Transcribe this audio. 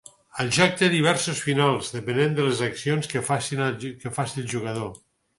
El joc té diversos finals depenent de les accions que faci el jugador.